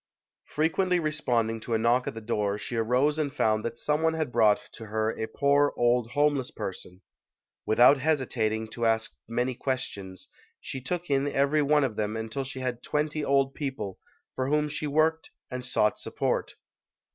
Fre quently responding to a knock at the door, she arose and found that some one had brought to her a poor, old, homeless person. Without hesitating to ask many questions, she took in every one of them until she had twenty old people, for whom she worked and sought support.